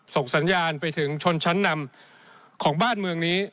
ส่งสัญญาณไปถึงชนชั้นนำของบ้านเมืองนี้